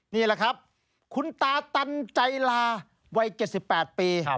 นี่แหละครับคุณตาตันใจลาวัย๗๘ปี